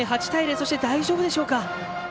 そして、大丈夫でしょうか。